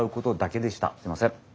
すいません。